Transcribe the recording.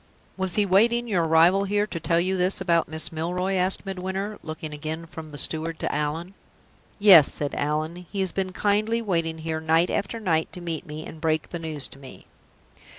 "Was he waiting your arrival here to tell you this about Miss Milroy?" asked Midwinter, looking again from the steward to Allan. "Yes," said Allan. "He has been kindly waiting here, night after night, to meet me, and break the news to me."